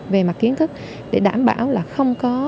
về mặt kiến thức để đảm bảo là không có